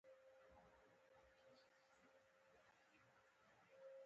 ځایی اوسیدونکی مشوره ورکوي چې چیرته پیسې تبادله کړي.